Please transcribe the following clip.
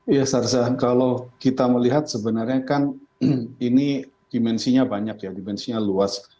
iya sarza kalau kita melihat sebenarnya kan ini dimensinya banyak ya dimensinya luas